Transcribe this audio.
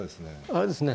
あれですね